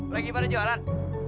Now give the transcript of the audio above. lagi pada jualan